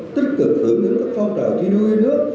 tích cực hưởng những các phong trào tri đôi nước